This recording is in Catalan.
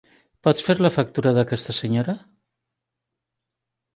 Pots fer la factura d'aquesta senyora?